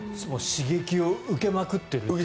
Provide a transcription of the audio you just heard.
刺激を受けまくっているという。